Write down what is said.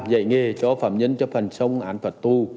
dạy nghề cho phạm nhân trong phần sông án phật tù